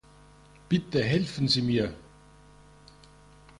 Bitte helfen Sie mir!